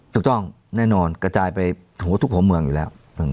ถูกต้องแน่นอนกระจายไปทุกหัวเมืองอยู่แล้ว